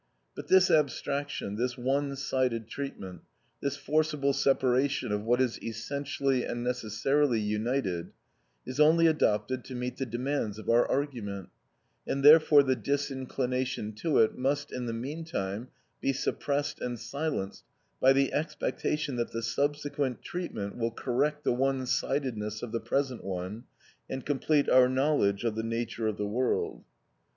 But this abstraction, this one sided treatment, this forcible separation of what is essentially and necessarily united, is only adopted to meet the demands of our argument; and therefore the disinclination to it must, in the meantime, be suppressed and silenced by the expectation that the subsequent treatment will correct the one sidedness of the present one, and complete our knowledge of the nature of the world.